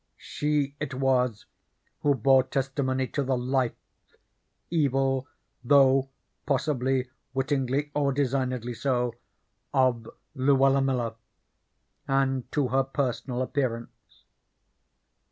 She it was who bore testimony to the life, evil, though possibly wittingly or designedly so, of Luella Miller, and to her personal appearance.